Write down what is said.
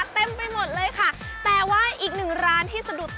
กับการเปิดลอกจินตนาการของเพื่อนเล่นวัยเด็กของพวกเราอย่างโลกของตุ๊กตา